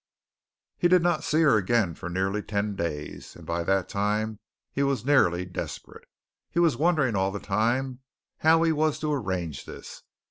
He did not see her again for nearly ten days, and by that time he was nearly desperate. He was wondering all the time how he was to arrange this.